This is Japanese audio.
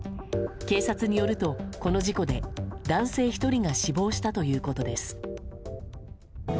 警察によるとこの事故で男性１人が死亡したということです。